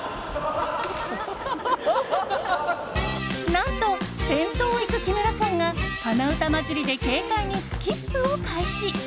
何と、先頭を行く木村さんが鼻歌交じりで軽快にスキップを開始。